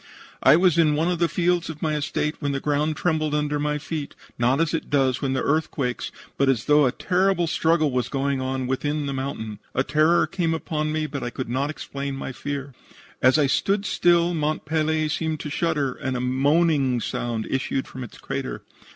I was in one of the fields of my estate when the ground trembled under my feet, not as it does when the earth quakes, but as though a terrible struggle was going on within the mountain. A terror came upon me, but I could not explain my fear. "As I stood still Mont Pelee seemed to shudder, and a moaning sound issued from its crater.